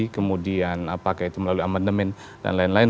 kemudian apakah itu melalui amandemen dan lain lain